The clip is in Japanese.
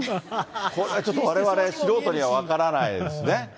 これはちょっと、われわれ素人には分からないですね。